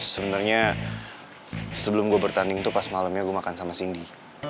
sebenernya sebelum gue bertanding itu pas malemnya gue makan sama cindy